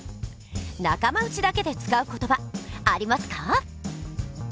仲間内だけで使う言葉ありますか？